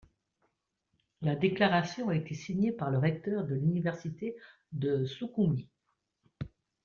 La déclaration a été signée par le recteur de l'université de Soukhoumi.